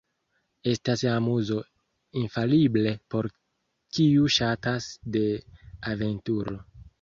Estas amuzo infalible por kiu ŝatas de aventuro.